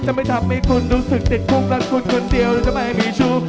จะไม่ทำให้คุณรู้สึกติดคุกรักคุณคนเดียวและจะไม่มีชุบ